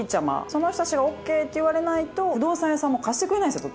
その人たちがＯＫって言われないと不動産屋さんも貸してくれないんですよ